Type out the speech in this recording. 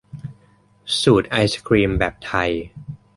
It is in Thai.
สูตรไอศกรีมแบบไทย